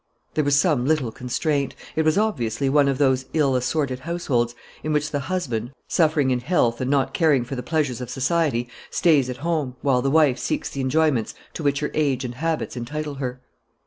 There was some little constraint. It was obviously one of those ill assorted households in which the husband, suffering in health and not caring for the pleasures of society, stays at home, while the wife seeks the enjoyments to which her age and habits entitle her.